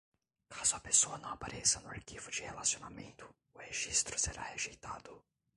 Caso a pessoa não apareça no arquivo de relacionamento, o registro será rejeitado.